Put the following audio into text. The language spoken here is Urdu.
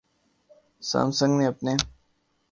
اسام سنگ نے اپنے